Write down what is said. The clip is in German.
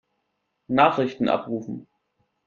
Nachrichten abrufen.